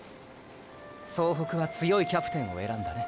総北は強いキャプテンを選んだね。